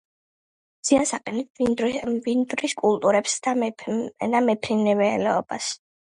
ზიანს აყენებს მინდვრის კულტურებს და მეფრინველეობას.